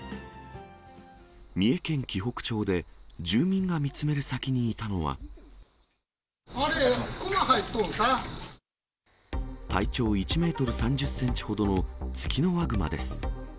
三重県紀北町で、住民が見つあれ、体長１メートル３０センチほどのツキノワグマです。